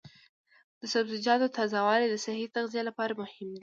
د سبزیجاتو تازه والي د صحي تغذیې لپاره مهمه ده.